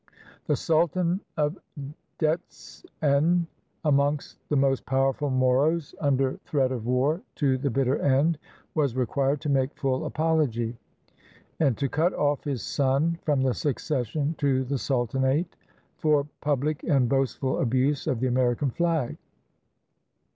The sultan of Detse en, amongst the most powerful Moros, under SS4 PREPARING OUR MOROS FOR GOVERNMENT threat of war to the bitter end, was required to make full apology, and to cut off his son from the succession to the sultanate, for public and boastful abuse of the American flag.